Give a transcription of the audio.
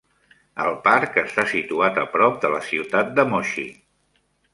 El parc està situat a prop de la ciutat de Moshi.